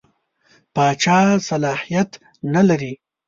پاچا صلاحیت نه لري.